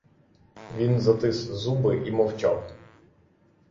Він затис зуби і мовчав.